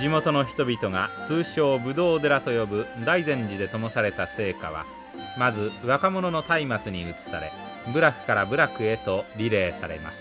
地元の人々が通称「ぶどう寺」と呼ぶ大善寺でともされた聖火はまず若者のたいまつに移され部落から部落へとリレーされます。